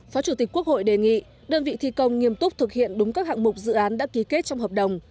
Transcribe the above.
phó chủ tịch quốc hội đề nghị đơn vị thi công nghiêm túc thực hiện đúng các hạng mục dự án đã ký kết trong hợp đồng